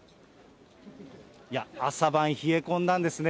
いや、朝晩冷え込んだんですね。